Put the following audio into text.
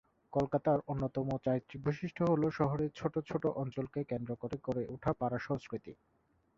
কলকাতার অন্যতম চারিত্রিক বৈশিষ্ট্য হল শহরের ছোটো ছোটো অঞ্চলকে কেন্দ্র করে গড়ে ওঠা "পাড়া" সংস্কৃতি।